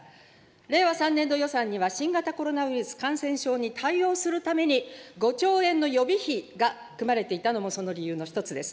令和３年度予算には新型コロナウイルス感染症に対応するために、５兆円の予備費が組まれていたのもその理由の一つです。